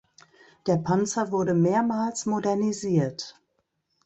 Der Panzer wurde mehrmals modernisiert.